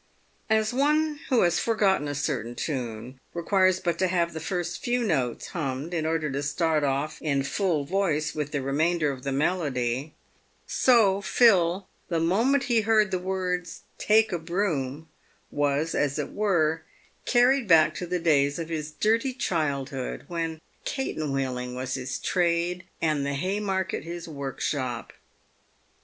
As one who has for gotten a certain tune, requires but to have the few first notes hummed in order to start off in full voice with the remainder of the melody, so Phil," the moment he heard the words " take a broom," was, as it were, carried back to the days of his dirty childhood, when " catenwheeling" was his trade, and the Haymarket his workshop.